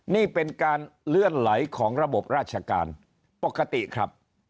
นี่เป็นการเลื่อนไหลของระบบราชการปกติครับ